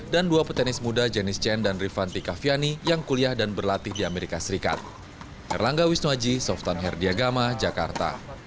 dan dua petenis muda janice chen dan rifanti kaviani yang kuliah dan berlatih di amerika serikat